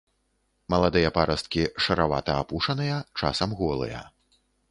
Маладыя парасткі шэравата-апушаныя, часам голыя.